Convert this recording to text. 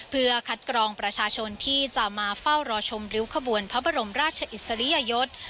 เพื่อคัดกรองประชาชนที่จะมาเฝ้ารอชมริ้วขบวนพระบรมราชอิสริยยศ